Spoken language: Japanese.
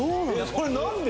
これ何で？